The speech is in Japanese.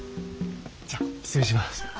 じゃあ失礼します。